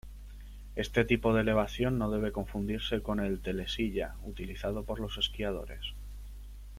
Este tipo de elevación no debe confundirse con el telesilla utilizado por los esquiadores.